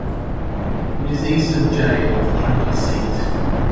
It is east of Jay, the county seat.